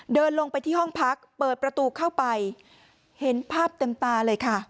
เดินลงไปที่ห้องพักเปิดประตูเข้าไปเห็นภาพเต็มตาเลยค่ะ